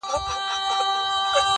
نیمګړي عمر ته مي ورځي د پېغور پاته دي!